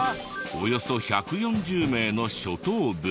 およそ１４０名の初等部。